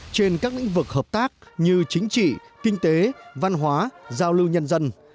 trên các lĩnh vực hợp tác như chính trị kinh tế văn hóa giao lưu nhân dân